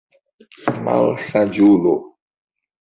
Malsaĝulo!